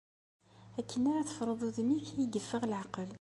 Akken ara teffreḍ udem-ik, a y-iffeɣ leɛqel.